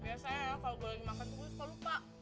biasanya kalau gue lagi makan dulu sekolah lupa